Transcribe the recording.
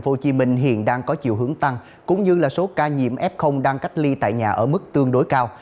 tp hcm hiện đang có chiều hướng tăng cũng như là số ca nhiễm f đang cách ly tại nhà ở mức tương đối cao